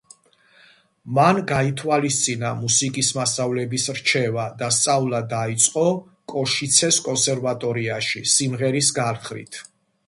მან გაითვალისწინა მუსიკის მასწავლებლის რჩევა და სწავლა დაიწყო კოშიცეს კონსერვატორიაში სიმღერის განხრით.